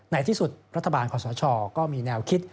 ในที่สุดรัฐบาลขอสชก็มีแนวคิด